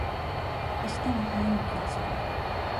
明日は早起きをする。